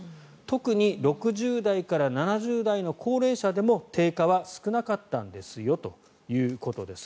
特に６０代から７０代の高齢者でも低下は少なかったんですよということです。